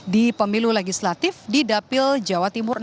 di pemilu legislatif di dapil jatim enam